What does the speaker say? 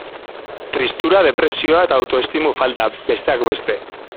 Tristura, depresioa eta autoestimu falta, besteak beste.